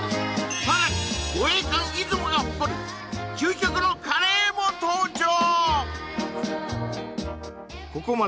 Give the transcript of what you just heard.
さらに護衛艦いずもが誇る究極のカレーも登場！